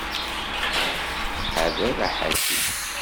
Ḥader aḥaki.